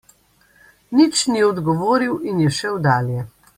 Nič ni odgovoril in je šel dalje.